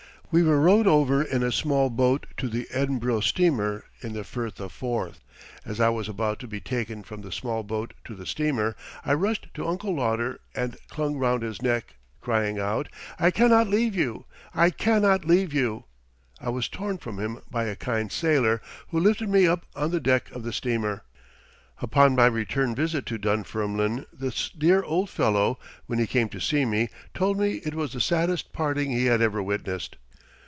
We were rowed over in a small boat to the Edinburgh steamer in the Firth of Forth. As I was about to be taken from the small boat to the steamer, I rushed to Uncle Lauder and clung round his neck, crying out: "I cannot leave you! I cannot leave you!" I was torn from him by a kind sailor who lifted me up on the deck of the steamer. Upon my return visit to Dunfermline this dear old fellow, when he came to see me, told me it was the saddest parting he had ever witnessed.